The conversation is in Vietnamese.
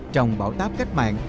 trong bảo táp cách mạng